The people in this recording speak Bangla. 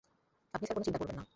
আপনি স্যার কোনো চিন্তা করবেন না।